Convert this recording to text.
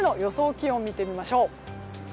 気温を見てみましょう。